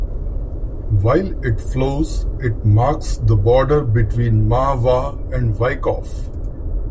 While it flows it marks the border between Mahwah and Wyckoff.